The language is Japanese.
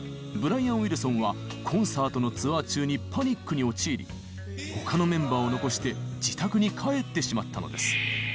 ブライアン・ウィルソンはコンサートのツアー中にパニックに陥り他のメンバーを残して自宅に帰ってしまったのです。